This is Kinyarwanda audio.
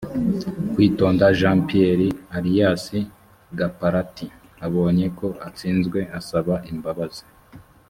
kwitonda jean pierre alias gaparati abonye ko atsinzwe asaba imbabazi